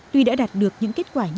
tuy đã đạt được những kết quả nhất định